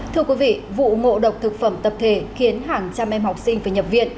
thưa quý vị vụ ngộ độc thực phẩm tập thể khiến hàng trăm em học sinh phải nhập viện